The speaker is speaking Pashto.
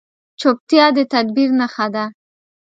چپتیا، د تدبیر نښه ده.